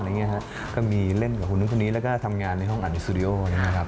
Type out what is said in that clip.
ทำงานห้อหารอีเอียนดิสตูดิโอนะครับ